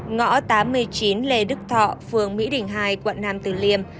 ngõ tám mươi chín lê đức thọ phương mỹ đỉnh hai quận nam từ liêm